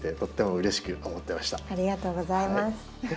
ありがとうございます。